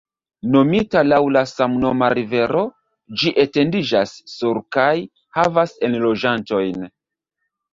Nomita laŭ la samnoma rivero, ĝi etendiĝas sur kaj havas enloĝantojn.